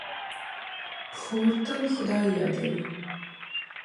خور تل خدای یادوي.